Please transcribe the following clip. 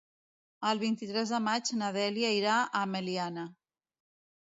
El vint-i-tres de maig na Dèlia irà a Meliana.